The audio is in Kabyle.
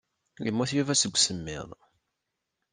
Yemmut Yuba seg usemmiḍ.